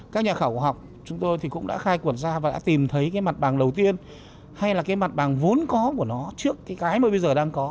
các nhà khảo cổ học chúng tôi thì cũng đã khai quật ra và đã tìm thấy cái mặt bằng đầu tiên hay là cái mặt bằng vốn có của nó trước cái mà bây giờ đang có